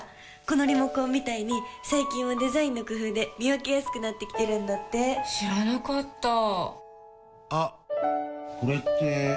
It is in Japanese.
このリモコンみたいに最近はデザインの工夫で見分けやすくなってきてるんだって知らなかったあっ、これって・・・